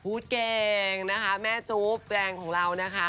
เก่งนะคะแม่จู๊บแฟนของเรานะคะ